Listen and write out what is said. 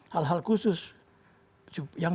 hal hal khusus yang